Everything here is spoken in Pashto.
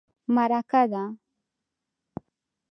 _مرکه ده.